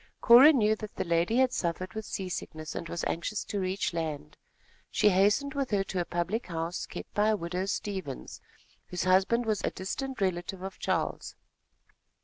Cora knew that the lady had suffered with seasickness, and was anxious to reach land. She hastened with her to a public house kept by a widow Stevens, whose husband was a distant relative of Charles.